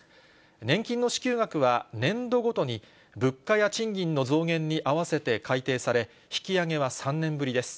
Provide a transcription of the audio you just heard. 年金の支給額は、年度ごとに物価や賃金の増減に合わせて改定され、引き上げは３年ぶりです。